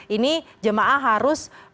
ini jemaah harus membayar uang